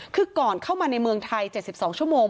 คือก่อนเข้ามาในเมืองไทย๗๒ชั่วโมง